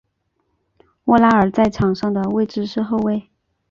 沃拉尔在场上的位置是后卫。